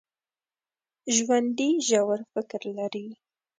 ژوندي ژور فکر لري